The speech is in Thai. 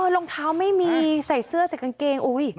รองเท้าไม่มีใส่เสื้อใส่กางเกง